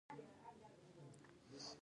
د بزګر ډوډۍ حلاله ده؟